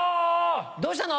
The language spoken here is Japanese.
どうしたの？